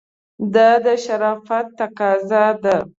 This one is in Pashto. دا د شرافت تقاضا ده.